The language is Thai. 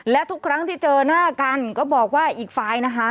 และทุกครั้งที่เจอหน้ากันก็บอกว่าอีกฝ่ายนะคะ